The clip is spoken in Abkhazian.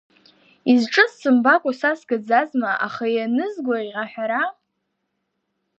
Изҿыз сымбакәа са сгаӡазма, аха ианызгәаӷь аҳәара…